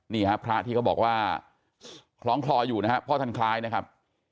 นี่ฮะพระที่เขาบอกว่าคล้องคลออยู่นะครับพ่อท่านคล้ายนะครับ